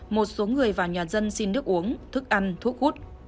một số người vào nhà dân xin nước uống thức ăn thuốc hút